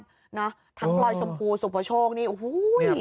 พรอยชมพูสุพชก